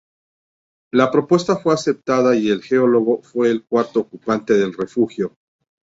La propuesta fue aceptada y el geólogo fue el cuarto ocupante del refugio.